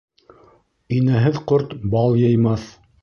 Инәһеҙ ҡорт бал йыймаҫ